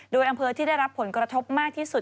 โดยอำเภอที่ได้รับผลกระทบมากที่สุด